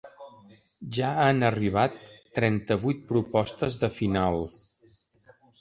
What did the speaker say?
Ja han arribat trenta-vuit propostes de final.